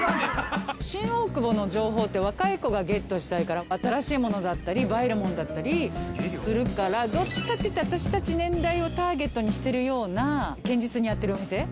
新大久保の情報って若い子がゲットしたいから新しいものだったり映えるものだったりするからどっちかっていったら私たち年代をターゲットにしてるような堅実にやってるお店。